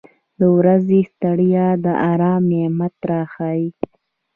• د ورځې ستړیا د آرام نعمت راښیي.